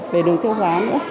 về đường tiêu hóa nữa